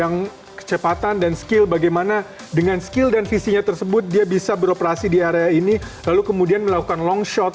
yang kecepatan dan skill bagaimana dengan skill dan visinya tersebut dia bisa beroperasi di area ini lalu kemudian melakukan longshot